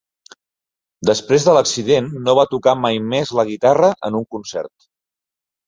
Després de l'accident no va tocar mai més la guitarra en un concert.